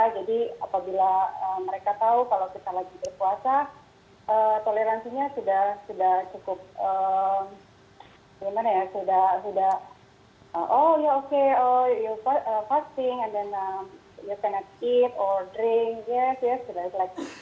jadi apabila mereka tahu kalau kita lagi berpuasa toleransinya sudah cukup gimana ya sudah oh ya oke you fasting and then you cannot eat or drink